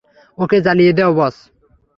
ওকে জ্বালিয়ে দাও, বস।